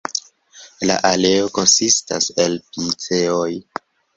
La aleo konsistas el piceoj.